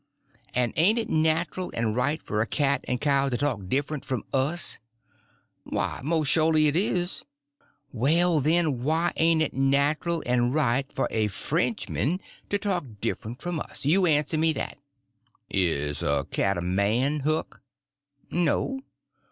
"And ain't it natural and right for a cat and a cow to talk different from us?" "Why, mos' sholy it is." "Well, then, why ain't it natural and right for a Frenchman to talk different from us? You answer me that." "Is a cat a man, Huck?" "No."